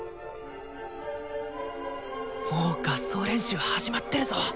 もう合奏練習始まってるぞ。